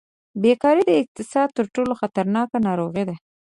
بېکاري د اقتصاد تر ټولو خطرناکه ناروغي ده.